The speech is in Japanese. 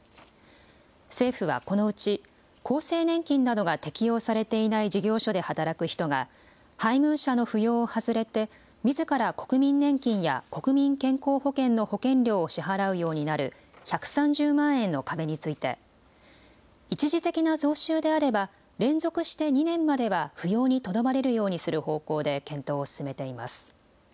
政府はこのうち、厚生年金などが適用されていない事業所で働く人が、配偶者の扶養を外れてみずから国民年金や国民健康保険の保険料を支払うようになる１３０万円の壁について、一時的な増収であれば、連続して２年までは扶養にとどまれるようにする方向で検討を進めています。